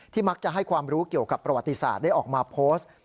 มักจะให้ความรู้เกี่ยวกับประวัติศาสตร์ได้ออกมาโพสต์